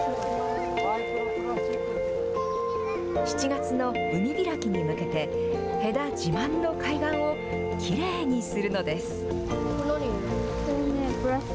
７月の海開きに向けて、戸田自慢の海岸をきれいにするのです。